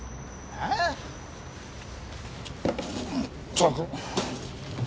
まったく！